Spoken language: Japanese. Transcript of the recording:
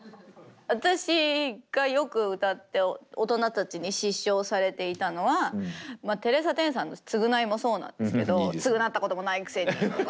私がよく歌って大人たちに失笑されていたのはテレサ・テンさんの「つぐない」もそうなんですけど「つぐなったこともないくせに」とか。